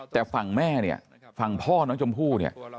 แต่ฝั่งแม่ฝั่งพ่อน้องชมพู่